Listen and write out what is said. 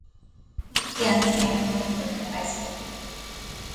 He began playing poker in high school.